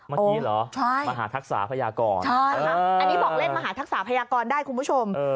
เมื่อกี้เหรอมหาทักษะพยากรอันนี้บอกเล่นมหาทักษะพยากรได้คุณผู้ชม